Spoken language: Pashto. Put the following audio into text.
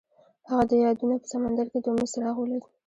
هغه د یادونه په سمندر کې د امید څراغ ولید.